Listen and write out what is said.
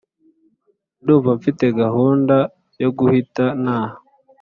ndumva mfite gahunda yo guhita ntaha